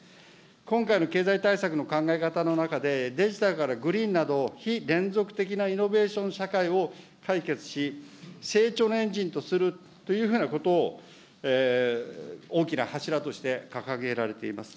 今回の経済対策の考え方の中で、デジタルからグリーンなど、非連続的なイノベーション社会を解決し、成長のエンジンとするというふうなことを、大きな柱として掲げられています。